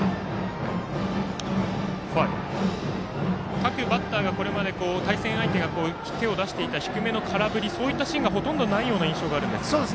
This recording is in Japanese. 各バッターがこれまで対戦相手が手を出していた、低めの空振りというシーンがほとんどないような印象があるんですが。